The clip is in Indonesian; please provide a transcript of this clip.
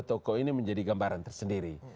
tokoh ini menjadi gambaran tersendiri